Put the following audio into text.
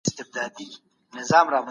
ډيپلوماتيکي هڅي د ثبات لپاره دي.